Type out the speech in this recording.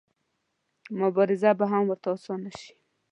مبارزه به هم ورته اسانه شي.